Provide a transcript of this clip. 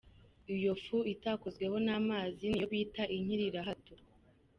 Iyo fu itakozweho n’amazi niyo bita inkirirahato.